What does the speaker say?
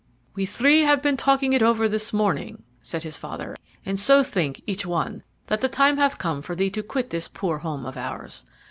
"We three have been talking it over this morning," said his father, "and so think each one that the time hath come for thee to quit this poor home of ours.